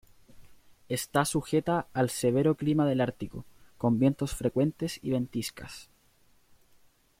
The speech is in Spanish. Está sujeta al severo clima del Ártico, con vientos frecuentes y ventiscas.